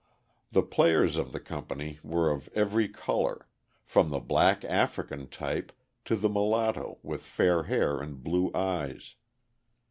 The players of the company were of every colour, from the black African type to the mulatto with fair hair and blue eyes.